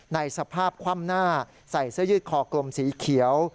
ในสภาพคว่ำหน้าใส่เสื้อยืดคอกลมสีเขียว